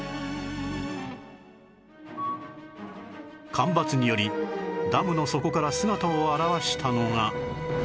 干ばつによりダムの底から姿を現したのが